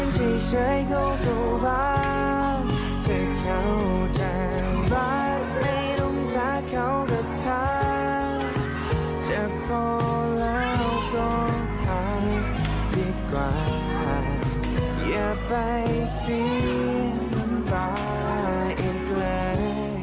เจ็บต่อแล้วก็หายดีกว่าอย่าไปเสียงฝันบ่ายอีกเลย